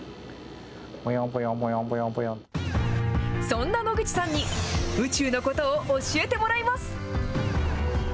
そんな野口さんに、宇宙のことを教えてもらいます。